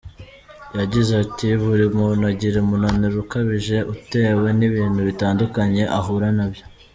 Yagize ati “Buri muntu agira umunaniro ukabije utewe n’ibintu bitandukanye ahura nabyo.